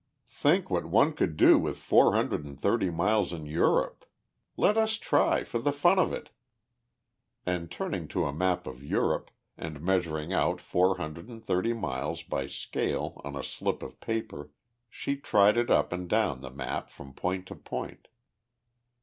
"Think what one could do with four hundred and thirty miles in Europe. Let us try, for the fun of it." And turning to a map of Europe, and measuring out four hundred and thirty miles by scale on a slip of paper, she tried it up and down the map from point to point.